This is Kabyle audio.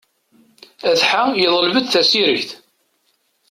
Atḥa yeḍleb-d tasiregt.